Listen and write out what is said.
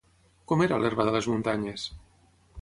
Com era l'herba de les muntanyes?